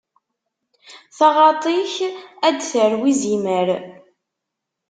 Taɣaṭ-ik ad d-tarew izimer.